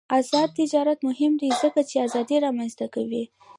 آزاد تجارت مهم دی ځکه چې ازادي رامنځته کوي.